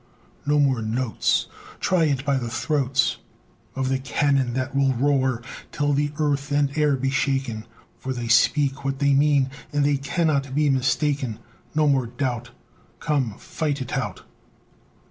No more notes; Try it by the throats Of the cannon that will roar till the earth and air be shaken; For they speak what they mean, and they cannot be mistaken; No more doubt; Come fight it out!